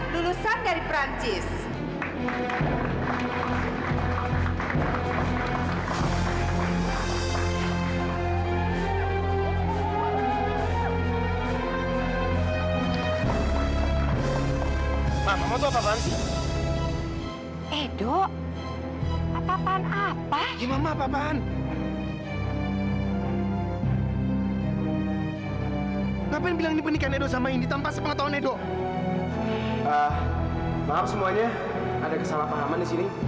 maaf semuanya ada kesalahpahaman disini